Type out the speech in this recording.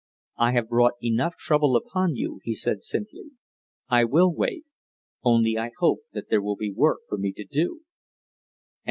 "I have brought enough trouble upon you," he said simply. "I will wait! Only I hope that there will be work for me to do!"